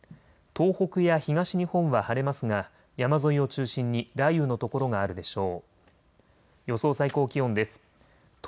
東北や東日本は晴れますが山沿いを中心に雷雨の所があるでしょう。